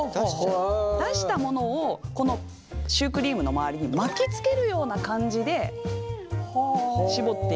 出したものをこのシュークリームの周りに巻きつけるような感じで絞っていく。